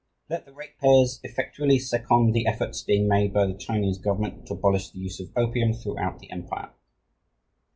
Let the ratepayers effectually second the efforts being made by the Chinese government to abolish the use of opium throughout the empire.